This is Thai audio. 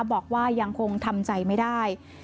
บอกว่ายังคงทำใจไม่ได้